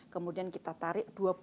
kemudian kita tarik dua puluh tahun